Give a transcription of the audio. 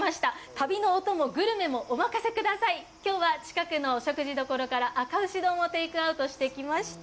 旅のお供、グルメもお任せください、今日は近くのお食事どころからあか牛丼をテークアウトしてきました